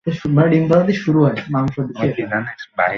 সে আবার উদ্বিগ্ন হয়।